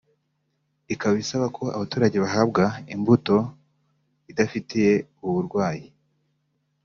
ikaba isaba ko abaturage bahabwa imbuto idafite ubu burwayi